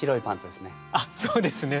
あっそうですね。